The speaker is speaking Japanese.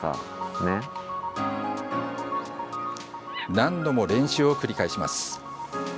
何度も練習を繰り返します。